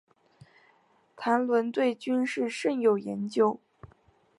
谭纶对军事甚有研究。